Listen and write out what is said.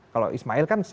kalau ismail kan